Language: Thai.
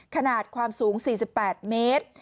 ขนาดความสูง๔๘เมตร